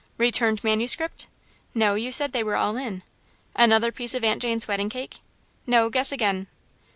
"Returned manuscript?" "No, you said they were all in." "Another piece of Aunt Jane's wedding cake?" "No, guess again."